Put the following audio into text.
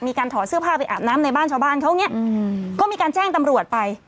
มีการถอดเสื้อผ้าไปอาบน้ำในบ้านชาวบ้านเขาเนี่ยก็มีการแจ้งตำรวจไป